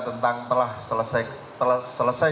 tentang telah selesai